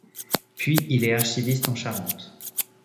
Puis il est archiviste en Charente.